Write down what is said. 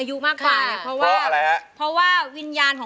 ฮัวเวิร์ของฮัวเวิร์ฮัวเวิร์เนเจอร์